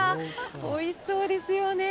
おいしそうですよね。